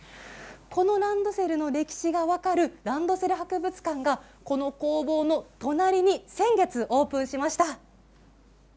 このランドセルの歴史が分かるランドセル博物館がこの工房の隣に先月オープンしました。